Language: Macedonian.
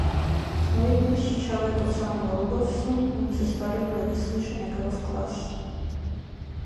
Но еднаш човекот сонувал убав сон и му се сторило дека слуша некаков клас.